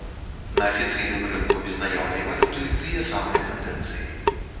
На афіцыйным рынку безнаяўнай валюты тыя самыя тэндэнцыі.